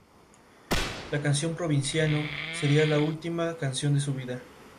Muchos organismos utilizan variaciones de este mecanismo básico.